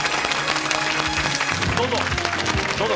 どうぞ。